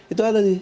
itu ada nih